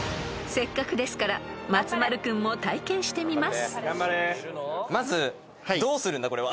［せっかくですから松丸君も体験してみます］